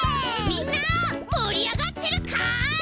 みんなもりあがってるかい？